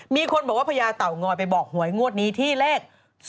มีคนบอกว่าพญาเต่างอยไปบอกหวยงวดนี้ที่เลข๒๕